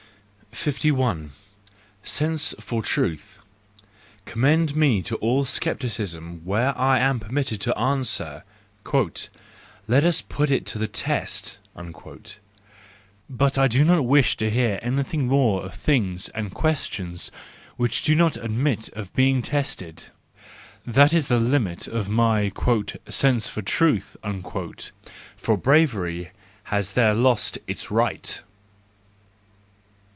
51 . Sense for Truth .—Commend me to all scepticism where I am permitted to answer: " Let us put it to the test! " But I don't wish to hear anything more of things and questions which do not admit of being tested. That is the limit of my " sense for truth ": for bravery has there lost its right.